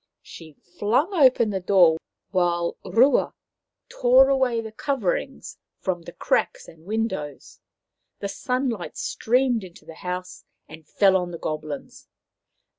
She flung open the door, while Rua tore away 214 Maoriland Fairy Tales the coverings from the cracks and windows. The sunlight streamed into the house and fell on the Goblins.